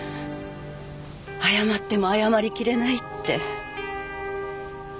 謝っても謝りきれないって。